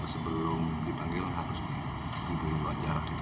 sebelum dipanggil harus diberi uang jarak